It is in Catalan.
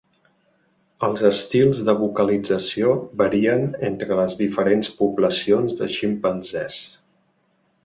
Els estils de vocalització varien entre les diferents poblacions de ximpanzés.